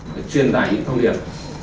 để truyền giải những thông điệp